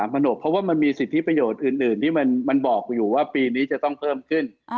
โนบเพราะว่ามันมีสิทธิประโยชน์อื่นที่มันบอกอยู่ว่าปีนี้จะต้องเพิ่มขึ้น